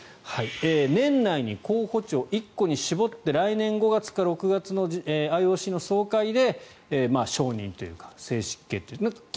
年内に候補地を１個に絞って来年５月か６月のＩＯＣの総会で承認というか正式決定。